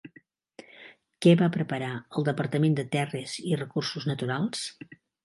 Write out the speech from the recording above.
Què va preparar el Departament de Terres i Recursos Naturals?